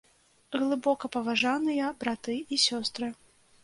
Глыбокапаважаныя браты і сёстры!